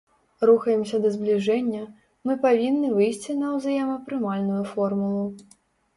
Рухаемся да збліжэння, мы павінны выйсці на ўзаемапрымальную формулу.